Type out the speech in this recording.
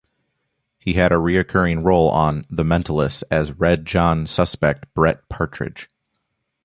He had a recurring role on "The Mentalist" as Red John suspect Brett Partridge.